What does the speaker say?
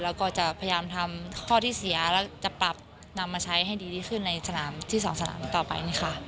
แล้วก็จะพยายามทำข้อที่เสียแล้วจะปรับนำมาใช้ให้ดีที่ขึ้นในสนามที่๒สนามต่อไป